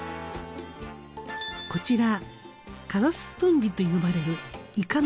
こちらカラストンビと呼ばれるイカの口です。